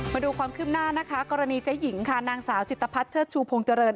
มาดูความคืบหน้านะคะกรณีเจ๊หญิงค่ะนางสาวจิตภัทรเชิดชูพงเจริญ